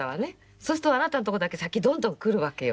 そうするとあなたのとこだけ先どんどんくるわけよ。